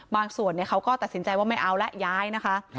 ส่วนเขาก็ตัดสินใจว่าไม่เอาแล้วย้ายนะคะ